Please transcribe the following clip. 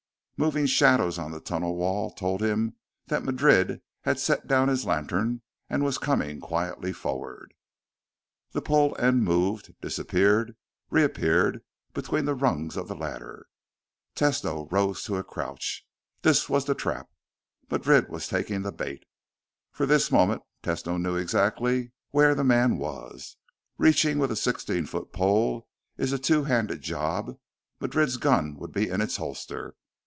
Moving shadows on the tunnel wall told him that Madrid had set down his lantern and was coming quietly forward. The pole end moved, disappeared, reappeared between the rungs of the ladder. Tesno rose to a crouch. This was the trap. Madrid was taking the bait. For this moment, Tesno knew exactly where the man was. Reaching with a sixteen foot pole is a two handed job; Madrid's gun would be in its holster.